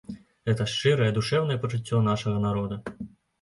Гэта шчырае, душэўнае пачуццё нашага народа.